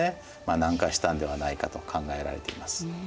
南下したんではないかと考えられています。